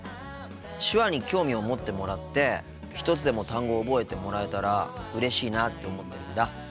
手話に興味を持ってもらって一つでも単語を覚えてもらえたらうれしいなって思ってるんだ。